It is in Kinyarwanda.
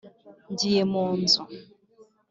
• ngiye mu nzu.